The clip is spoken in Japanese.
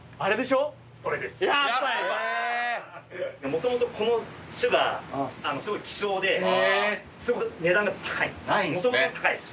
もともとこの種がすごい希少ですごく値段が高いんです。